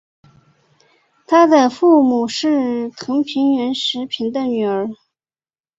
他的母亲是藤原时平的女儿。